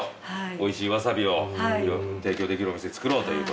おいしいわさびを提供できるお店作ろうということで。